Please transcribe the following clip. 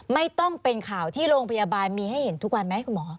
ไม่ต้องเป็นข่าวที่โรงพยาบาลมีให้เห็นทุกวันไหมคุณหมอ